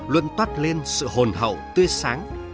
luôn toát lên sự hồn hậu tươi sáng